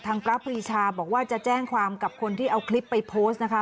พระปรีชาบอกว่าจะแจ้งความกับคนที่เอาคลิปไปโพสต์นะคะ